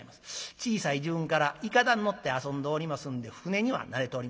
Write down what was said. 小さい時分からいかだに乗って遊んでおりますんで舟には慣れております。